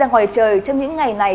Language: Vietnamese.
thì ra ngoài trời trong những ngày này